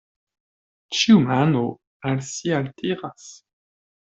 Ĉiu mano al si altiras.